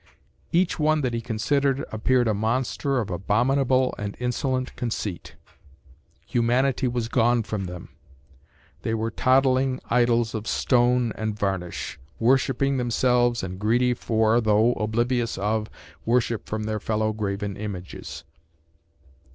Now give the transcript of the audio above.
Each one that he considered appeared a monster of abominable and insolent conceit. Humanity was gone from them; they were toddling idols of stone and varnish, worshipping themselves and greedy for though oblivious of worship from their fellow graven images.